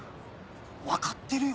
分かってるよ